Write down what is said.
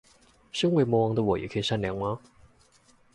生為魔王的我也可以善良嗎？